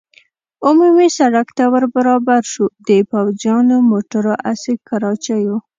عمومي سړک ته ور برابر شو، د پوځیانو، موټرو، اسي کراچیو.